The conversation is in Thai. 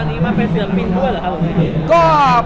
อันนี้มันเป็นศิลปินด้วยเหรอครับผม